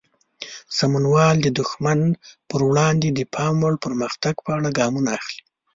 سمونوال د دښمن پر وړاندې د پام وړ پرمختګ په اړه ګامونه اخلي.